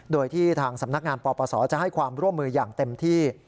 โดยที่ทางสำนักงานปปศจะให้ความร่วมมืออย่างเต็มที่